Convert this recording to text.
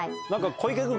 小池君